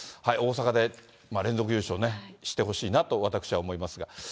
大阪で連続優勝ね、してほしいなと、私は思いますが。